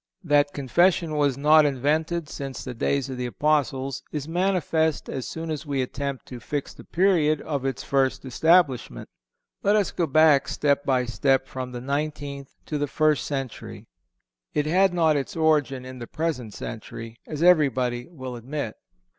That Confession was not invented since the days of the Apostles is manifest as soon as we attempt to fix the period of its first establishment. Let us go back, step, by step, from the nineteenth to the first century. It had not its origin in the present century, as everybody will admit.